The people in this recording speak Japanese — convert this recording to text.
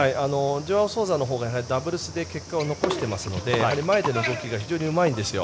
ジョアオ・ソウザのほうがダブルスで結果を残していますので前へ出る動きが非常にうまいんですよ。